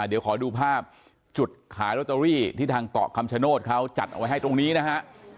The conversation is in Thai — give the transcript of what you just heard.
เดี๋ยวขอดูภาพจุดขายลอตเตอรี่ที่ทางเกาะคำชโนธเขาจัดเอาไว้ให้ตรงนี้นะฮะ